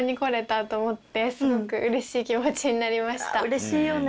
うれしいよね。